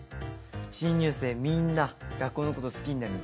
新入生みんな学校のこと好きになるに決まってる。